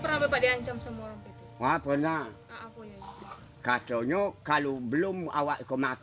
apakah pernah anda dihancam oleh semua orang